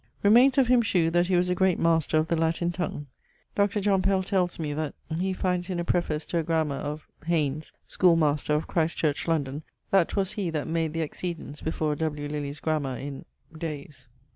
Remaines of him shew that he was a great master of the Latin tongue; Dr. John Pell tells me, that [he finds in a preface to a Grammar of ... Haynes, schoolmaster, of Christ church, London,] that 'twas he that made the Accedence before W. Lilly's Grammar in ... dayes.